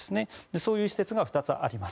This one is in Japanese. そういう施設が２つあります。